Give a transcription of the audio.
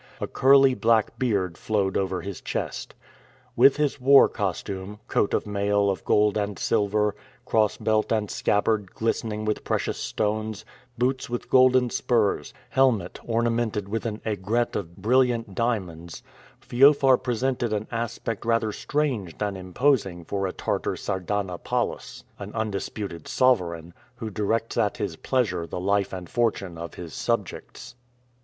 A curly black beard flowed over his chest. With his war costume, coat of mail of gold and silver, cross belt and scabbard glistening with precious stones, boots with golden spurs, helmet ornamented with an aigrette of brilliant diamonds, Feofar presented an aspect rather strange than imposing for a Tartar Sardana palus, an undisputed sovereign, who directs at his pleasure the life and fortune of his subjects.